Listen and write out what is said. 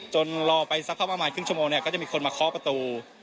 จนรอไปสภาพประมาณครึ่งชั่วโมงก็จะมีคนมาเคาะประตู